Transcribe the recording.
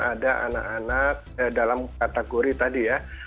ada anak anak dalam kategori tadi ya